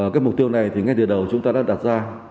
cái mục tiêu này thì ngay từ đầu chúng ta đã đặt ra